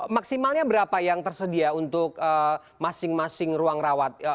maksimalnya berapa yang tersedia untuk masing masing ruang rawat